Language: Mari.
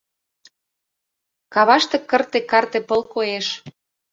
Каваште кырте-карте пыл коеш.